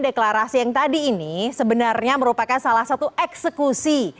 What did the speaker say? deklarasi yang tadi ini sebenarnya merupakan salah satu eksekusi